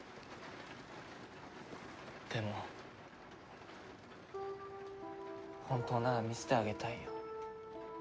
でも本当なら見せてあげたいよ。